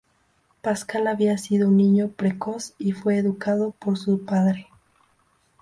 Pascal había sido un niño precoz, y fue educado por su padre.